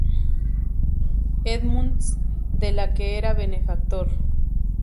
Edmunds de la que era benefactor.